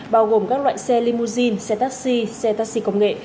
bao gồm các loại xe limousine xe taxi xe taxi công nghệ